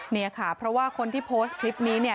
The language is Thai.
เนี่ยค่ะเพราะว่าคนที่โพสต์คลิปนี้เนี่ย